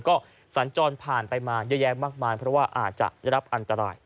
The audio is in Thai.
ก็สัญจรผ่านไปมาเยอะแยะมากมายเพราะว่าอาจจะได้รับอันตราย